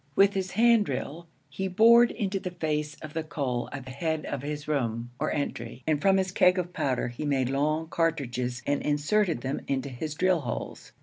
With his hand drill he bored into the face of the coal at the head of his room, or entry, and from his keg of powder he made long cartridges and inserted them into his drill holes.